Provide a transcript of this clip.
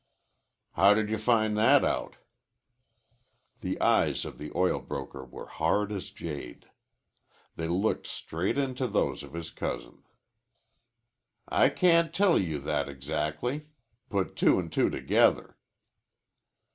"How did you find that out?" The eyes of the oil broker were hard as jade. They looked straight into those of his cousin. "I can't tell you that exactly. Put two an' two together."